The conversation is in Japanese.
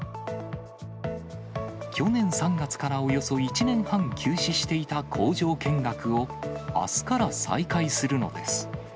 去年３月からおよそ１年半休止していた工場見学を、あすから再開するのです。